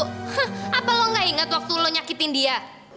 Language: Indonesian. hah apa lo gak inget waktu lo nyakitin dia